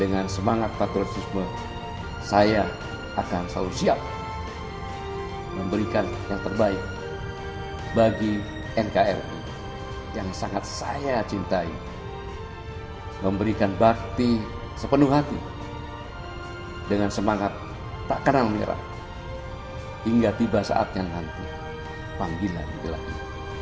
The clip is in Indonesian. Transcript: gatot mencintai memberikan bakti sepenuh hati dengan semangat tak kenal merah hingga tiba saatnya nanti panggilan di belakang